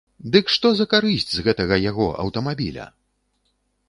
Дык што за карысць з гэтага яго аўтамабіля!